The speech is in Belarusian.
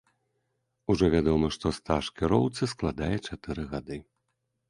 Ужо вядома, што стаж кіроўцы складае чатыры гады.